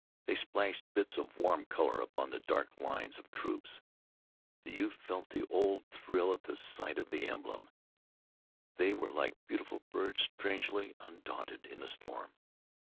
They splashed bits of warm color upon the dark lines of troops. The youth felt the old thrill at the sight of the emblem. They were like beautiful birds strangely undaunted in a storm.